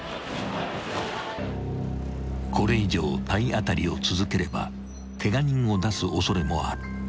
［これ以上体当たりを続ければケガ人を出す恐れもある］